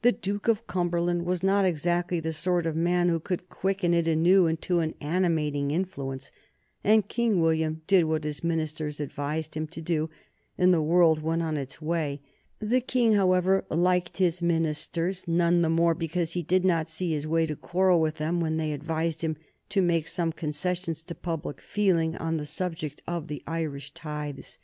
The Duke of Cumberland was not exactly the sort of man who could quicken it anew into an animating influence, and King William did what his ministers advised him to do, and the world went on its way. The King, however, liked his ministers none the more because he did not see his way to quarrel with them when they advised him to make some concessions to public feeling on the subject of the Irish tithes.